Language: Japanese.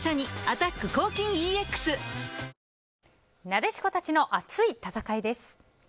なでしこたちの熱い戦いです。